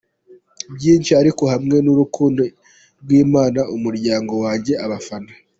byiiiiiiinshi, ariko hamwe nurukundo rwImana, umuryango wanjye, abafana.